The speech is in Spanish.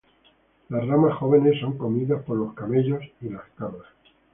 Las ramas jóvenes son comidas por los camellos y cabras.